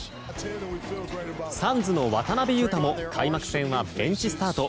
サンズの渡邊雄太も開幕戦はベンチスタート。